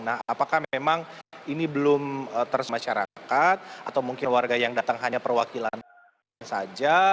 nah apakah memang ini belum terus masyarakat atau mungkin warga yang datang hanya perwakilan saja